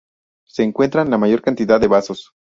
Se encuentran la mayor cantidad de vasos.